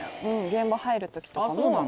現場入る時とかも。